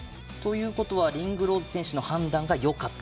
リングローズ選手の判断がよかった？